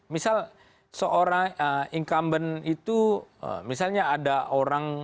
misal seorang incumbent itu misalnya ada orang